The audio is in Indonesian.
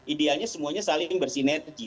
ideanya semuanya saling bersinetri